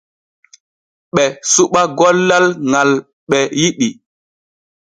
Ɓe suɓa gollal ŋal ɓe yiɗi.